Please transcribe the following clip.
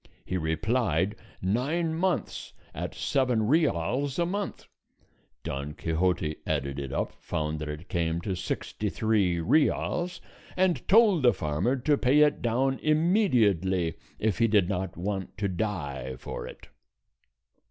He replied, nine months at seven reals a month. Don Quixote added it up, found that it came to sixty three reals, and told the farmer to pay it down immediately if he did not want to die for it.